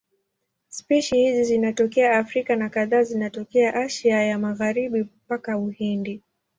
Spishi hizi zinatokea Afrika na kadhaa zinatokea Asia ya Magharibi mpaka Uhindi.